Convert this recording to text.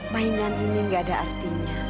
mainan ini gak ada artinya